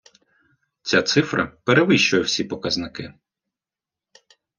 Ця цифра перевищує всі показники.